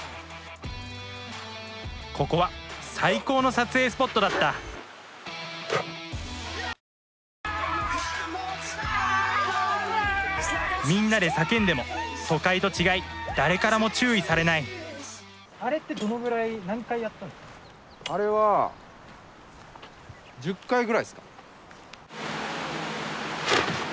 ここは最高の撮影スポットだったみんなで叫んでも都会と違い誰からも注意されないあれは１０回ぐらいすか。